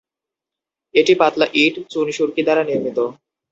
এটি পাতলা ইট, চুন-সুরকি দ্বারা নির্মিত।